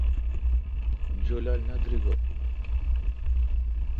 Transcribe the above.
جولال نہ دریگہ۔